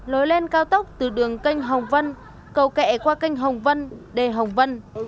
ba lối lên cao tốc từ đường kênh hồng vân cầu kẹ qua kênh hồng vân đề hồng vân